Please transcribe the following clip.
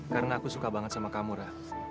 karena aku suka banget sama kamu ra